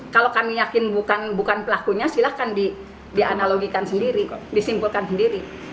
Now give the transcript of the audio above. kalau kami yakin bukan pelakunya silahkan dianalogikan sendiri disimpulkan sendiri